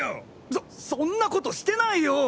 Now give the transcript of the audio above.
そそんなことしてないよ！